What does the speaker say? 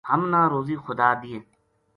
ہم نا روزی خدا دیے